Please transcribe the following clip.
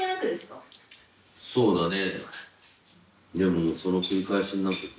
そうだね。